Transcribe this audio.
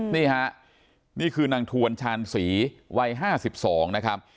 นี่ค่ะนี่คือนางถวนชาญศรีวัยห้าสิบสองนะครับ